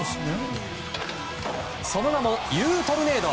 その名も、ユウトルネード！